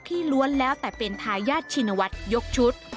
ล้วนแล้วแต่เป็นทายาทชินวัฒน์ยกชุด